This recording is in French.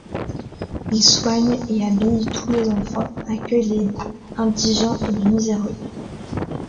Il soigne et habille tous les enfants, accueille les indigents et les miséreux.